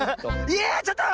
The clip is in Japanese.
いやちょっと！